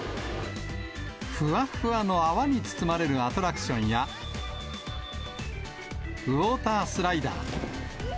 ふわっふわの泡に包まれるアトラクションや、ウォータースライダー。